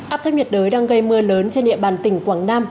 áp thấp nhiệt đới đang gây mưa lớn trên địa bàn tỉnh quảng nam